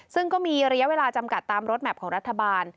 ซึ่งก็มีระยะเวลาจำกัดตามรถแมพของรัฐบาล